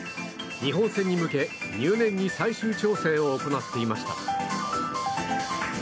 日本戦に向け、入念に最終調整を行っていました。